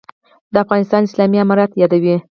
«د افغانستان اسلامي امارت» یادوي.